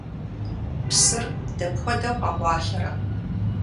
Псыр дапхуэдэу къэкъуалъэрэ?